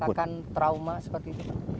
dikatakan trauma seperti itu